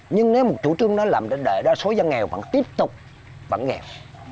nhưng nếu một chủ trương đó làm để đại đa số dân nghèo vẫn tiếp tục vẫn nghèo